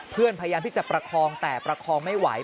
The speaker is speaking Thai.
พยายามที่จะประคองแต่ประคองไม่ไหว